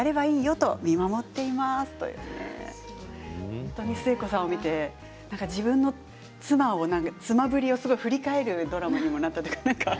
本当に寿恵子さんを見て妻ぶりを振り返るドラマにもなったとか。